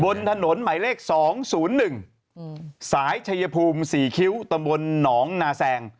บนถนนหมายเลข๒๐๑สายชัยภูมิ๔คิ้วตำบลหนองนาแซง